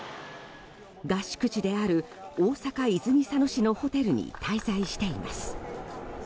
合宿地である大阪・泉佐野市のホテルに滞在しています。